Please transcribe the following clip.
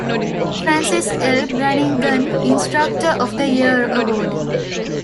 Francis L. Brannigan Instructor of the year award.